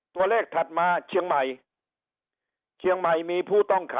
ถัดมาเชียงใหม่เชียงใหม่มีผู้ต้องขัง